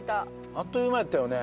あっという間やったよね。